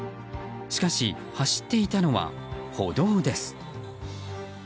しかし走っていたのは歩道です。